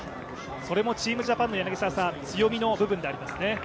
それもチームジャパンの強みの部分でありますね。